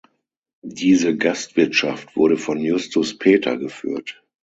Diese Gastwirtschaft wurde von Justus Peter geführt.